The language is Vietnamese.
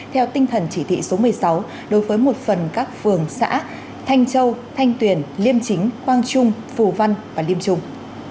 theo tinh thần chỉ thị số một mươi sáu đối với một phần các phường xã thanh châu thanh tuyền liêm chính quang trung phù văn và liêm trung